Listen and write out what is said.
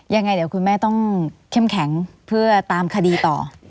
ยังไงเดี๋ยวคุณแม่ต้องเข้มแข็งเพื่อตามคดีต่อ